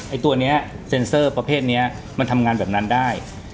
ตัวนี้เซ็นเซอร์ประเภทนี้มันทำงานแบบนั้นได้